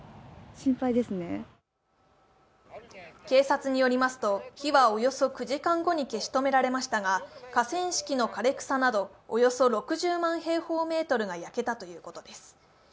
警察によりますと火はおよそ９時間後に消し止められましたが河川敷の枯れ草などおよそ６０万平方メートルが焼けたということです。